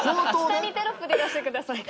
下にテロップで出してください。